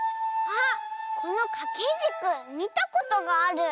あっこのかけじくみたことがある。